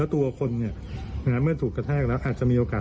แล้วตัวคนเนี่ยนะเมื่อถูกกระทรแล้วอาจจะมีโอกาส